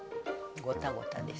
ゴタゴタです。